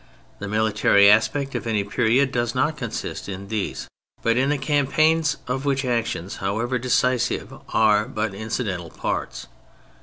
The military aspect of any period does not consist in these, but in the campaigns of which actions, however decisive, are but incidental parts.